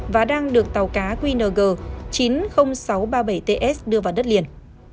và đang được tàu cá qng chín mươi nghìn sáu trăm ba mươi bảy ts đưa vào đất liền